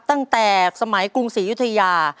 ตั้งแต่สมัยกรุงศรียุธยา